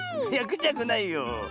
いやくちゃくないよ。